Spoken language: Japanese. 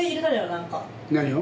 何を？